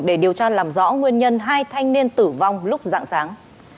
để điều tra làm rõ nguyên nhân hai thanh niên tử vong lúc dạng sáng